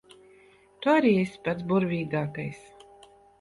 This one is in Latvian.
Tu arī esi pats burvīgākais.